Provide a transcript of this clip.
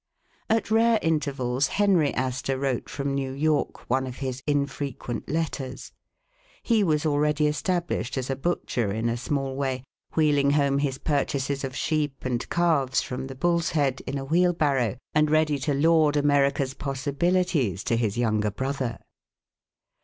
At rare intervals Henry Astor wrote from New York one of his infrequent letters. He was already established as a butcher in a small way, wheeling home his pur chases of sheep and calves from the Bull's Head, in a wheel barrow, and ready to laud America's possibili ties to his younger brother.